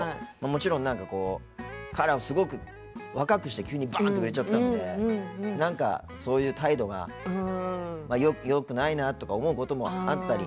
もちろん彼もすごく若くして急にバン！って売れちゃったのでなんか、そういう態度がよくないなとか思うこともあったり。